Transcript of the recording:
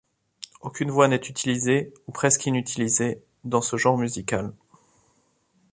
Aucune voix n'est utilisée, ou presque inutilisée, dans ce genre musical.